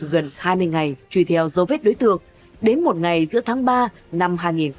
gần hai mươi ngày truy theo dấu vết đối tượng đến một ngày giữa tháng ba năm hai nghìn hai mươi